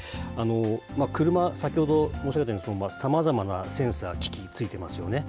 車、先ほど申し上げたように、さまざまなセンサー、機器、ついていますよね。